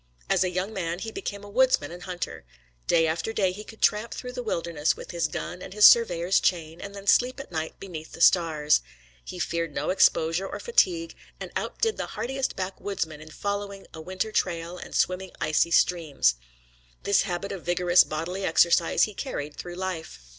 As a young man he became a woodsman and hunter. Day after day he could tramp through the wilderness with his gun and his surveyor's chain, and then sleep at night beneath the stars. He feared no exposure or fatigue, and outdid the hardiest backwoodsman in following a winter trail and swimming icy streams. This habit of vigorous bodily exercise he carried through life.